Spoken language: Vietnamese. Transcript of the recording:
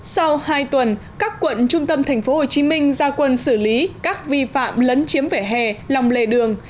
sau hai tuần các quận trung tâm tp hcm ra quân xử lý các vi phạm lấn chiếm vỉa hè lòng lề đường